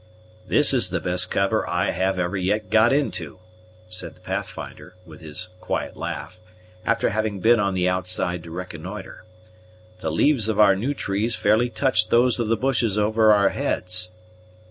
"This is the best cover I ever yet got into," said the Pathfinder, with his quiet laugh, after having been on the outside to reconnoitre; "the leaves of our new trees fairly touch those of the bushes over our heads.